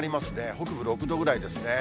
北部６度ぐらいですね。